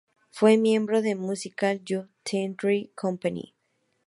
Fue miembro del Musical Youth Theatre Company.